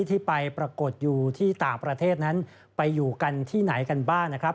ที่ไปปรากฏอยู่ที่ต่างประเทศนั้นไปอยู่กันที่ไหนกันบ้างนะครับ